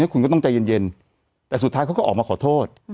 คุณก็ต้องใจเย็นแต่สุดท้ายเขาก็ออกมาขอโทษ